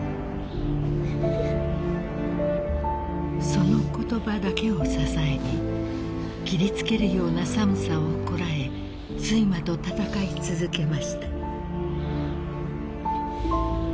［その言葉だけを支えに切りつけるような寒さをこらえ睡魔と闘い続けました］